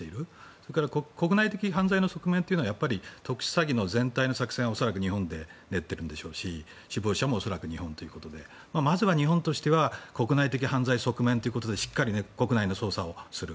それから国内的犯罪の側面というのは特殊詐欺の全体の作戦を恐らく日本で練っているんでしょうし首謀者も恐らく日本ということでまずは日本としては国内的犯罪の側面ということでしっかり国内の捜査をする。